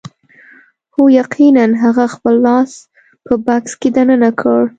هو یقیناً هغه خپل لاس په بکس کې دننه کړ